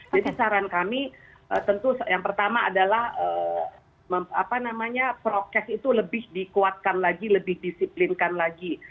jadi saran kami tentu yang pertama adalah prokes itu lebih dikuatkan lagi lebih disiplinkan lagi